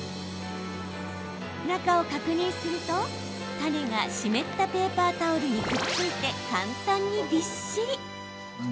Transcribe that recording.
中を確認すると、種が湿ったペーパータオルにくっついて簡単にびっしり。